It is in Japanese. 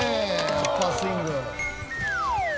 アッパースイング。